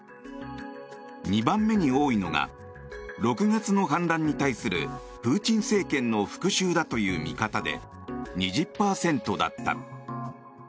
２番目に多いのが６月の反乱に対するプーチン政権の復しゅうだという見方で２０％だった。